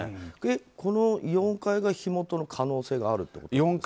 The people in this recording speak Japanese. この４階が火元の可能性があるっていうことですか？